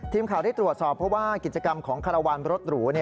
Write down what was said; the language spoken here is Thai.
ทีมข่าวได้ตรวจสอบเพราะว่ากิจกรรมของคารวาลรถหรู